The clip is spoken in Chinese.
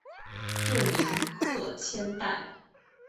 幼名是鹤千代。